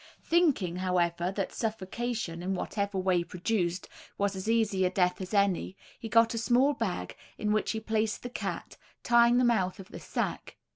Thinking, however, that suffocation, in whatever way produced, was as easy a death as any, he got a small bag, in which he placed the cat, tying the mouth of the sack.